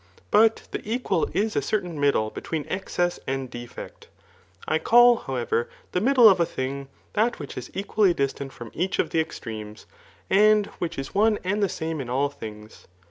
But die equal is a certain middle between excess and defect. I call, however, the middle of a thing, that which is equally distant from each of the extremes, and which is one and the same in all things.